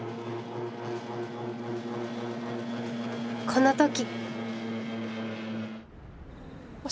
この時。